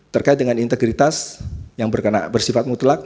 terkait dengan integritas yang bersifat mutlak